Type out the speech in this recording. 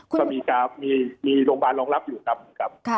ก็มีโรงพยาบาลรองรับอยู่ครับ